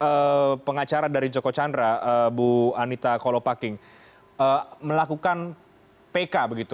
jadi pengacara dari joko chandra bu anita kolopaking melakukan pk begitu